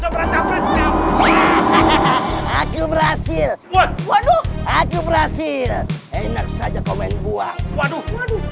berhasil berhasil enak saja komen buah waduh